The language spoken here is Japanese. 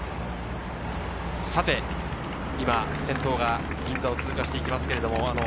先頭が銀座を通過していきます。